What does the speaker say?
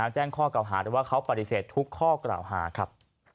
แจ้งข้อกล่าวหาแต่ว่าเขาปฏิเสธทุกข้อกล่าวหาครับ